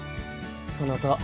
そなた